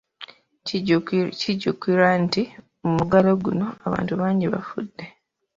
Kijjukirwa nti mu muggalo guno, abantu bangi bafudde.